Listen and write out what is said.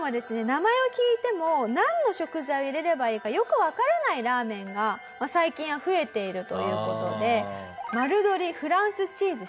名前を聞いてもなんの食材を入れればいいかよくわからないラーメンが最近は増えているという事で。